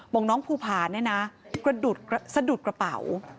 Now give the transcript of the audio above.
บอกน้องภูผาเนี่ยนะกระสะดุดกระเป๋า